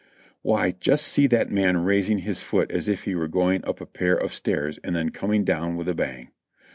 Why, just see that man raising his foot as if he were going up a pair of stairs and then coming down with a bang.